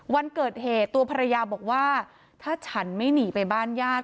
ไม่อยากคุยอีกแล้ว